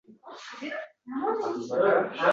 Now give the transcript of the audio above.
Ayrim ayollar tovusga o‘xshaydi.